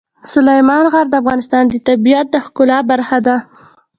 سلیمان غر د افغانستان د طبیعت د ښکلا برخه ده.